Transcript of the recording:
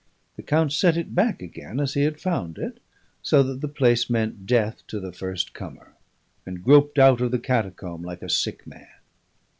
The count set it back again as he had found it, so that the place meant death to the first comer, and groped out of the catacomb like a sick man.